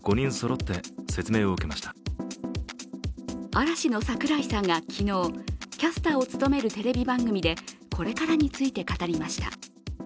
嵐の櫻井さんが昨日、キャスターを務めるテレビ番組でこれからについて語りました。